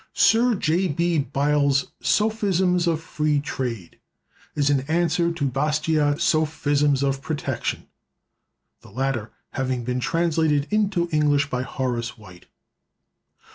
Sir J. B. Byles's "Sophisms of Free Trade" is an answer to Bastiat's "Sophisms of Protection," the latter having been translated into English by Horace White.